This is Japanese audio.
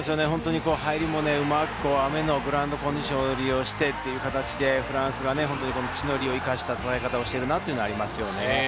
入りもうまく雨のグラウンドコンディションを利用してという形でフランスが地の利を生かした戦い方をしているなというのはありますね。